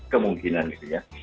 kemungkinan gitu ya